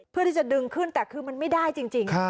เพื่อที่จะดึงขึ้นแต่คือมันไม่ได้จริง